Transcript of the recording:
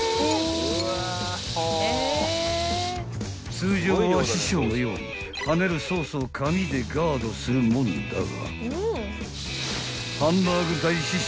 ［通常は師匠のように跳ねるソースを紙でガードするもんだが］